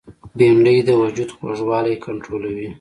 بېنډۍ د وجود خوږوالی کنټرولوي